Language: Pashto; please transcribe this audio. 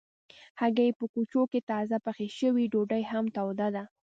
هګۍ په کوچو کې تازه پخې شوي ډوډۍ هم توده ده.